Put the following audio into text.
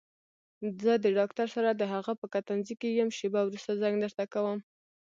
زه د ډاکټر سره دهغه په کتنځي کې يم شېبه وروسته زنګ درته کوم.